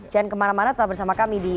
dan kemana mana tetap bersama kami di